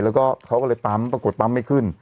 แล้วก็เขาก็เลยปั๊มปรากฏปั๊มไม่ขึ้น